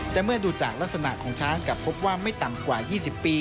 แต่เมื่อดูจากลักษณะของช้างกลับพบว่าไม่ต่ำกว่า๒๐ปี